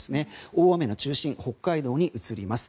大雨の中心が北海道に移ります。